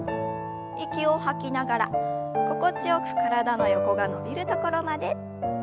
息を吐きながら心地よく体の横が伸びるところまで。